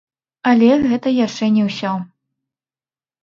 Але гэта яшчэ не ўсё.